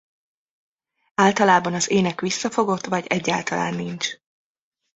Általában az ének visszafogott vagy egyáltalán nincs.